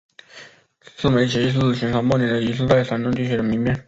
赤眉起义是新朝末年的一次在山东地区的民变。